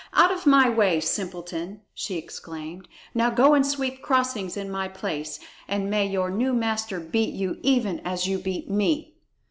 "Out of my way, simpleton!" she exclaimed. "Now go and sweep crossings in my place, and may your new master beat you even as you beat me!"